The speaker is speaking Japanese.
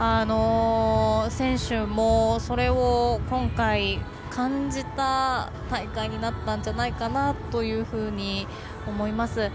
選手も、それを今回感じた大会になったんじゃないかなというふうに思います。